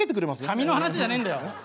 髪の話じゃねえんだよ！